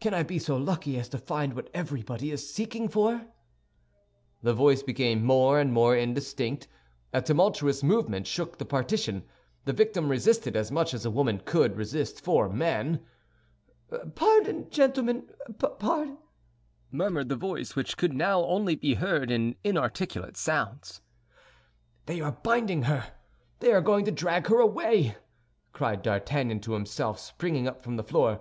"Can I be so lucky as to find what everybody is seeking for?" The voice became more and more indistinct; a tumultuous movement shook the partition. The victim resisted as much as a woman could resist four men. "Pardon, gentlemen—par—" murmured the voice, which could now only be heard in inarticulate sounds. "They are binding her; they are going to drag her away," cried D'Artagnan to himself, springing up from the floor.